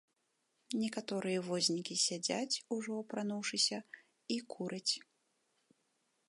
Некаторыя вознікі сядзяць, ужо апрануўшыся, і кураць.